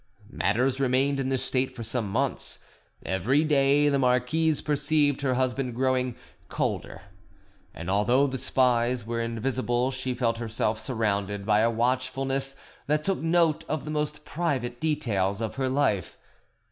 Matters remained in this state for some months. Every day the marquise perceived her husband growing colder, and although the spies were invisible she felt herself surrounded by a watchfulness that took note of the most private details of her life.